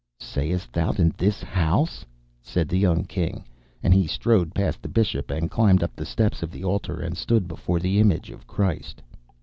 'Sayest thou that in this house?' said the young King, and he strode past the Bishop, and climbed up the steps of the altar, and stood before the image of Christ.